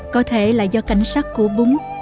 có thể là do cảnh sát của bún